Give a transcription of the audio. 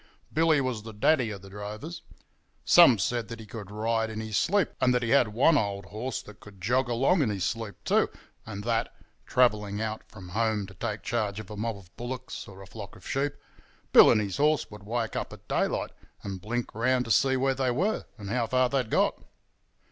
Billy was the daddy of the drovers. Some said that he could ride in his sleep, and that he had one old horse that could jog along in his sleep too, and that—travelling out from home to take charge of a mob of bullocks or a flock of sheep—Bill and his horse would often wake up at daylight and blink round to see where they were and how far they'd got.